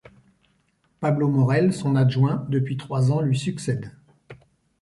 Pablo Morel, son adjoint depuis trois ans, lui succède.